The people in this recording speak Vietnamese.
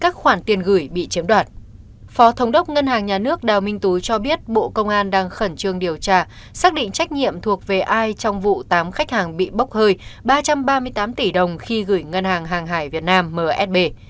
phó thống đốc ngân hàng nhà nước đào minh tú cho biết bộ công an đang khẩn trương điều tra xác định trách nhiệm thuộc về ai trong vụ tám khách hàng bị bốc hơi ba trăm ba mươi tám tỷ đồng khi gửi ngân hàng hàng hải việt nam msb